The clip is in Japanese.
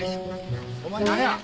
お前何や？